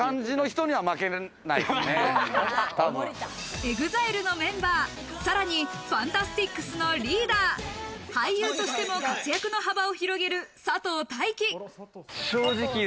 ＥＸＩＬＥのメンバー、さらにＦＡＮＴＡＳＴＩＣＳのリーダー、俳優としても活躍の幅を広げる佐藤大樹。